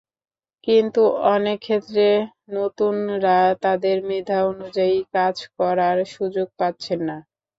কিন্তু অনেক ক্ষেত্রে নতুনরা তাঁদের মেধা অনুযায়ী কাজ করার সুযোগ পাচ্ছেন না।